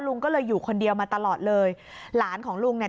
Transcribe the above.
ลุงก็เลยอยู่คนเดียวมาตลอดเลยหลานของลุงเนี่ย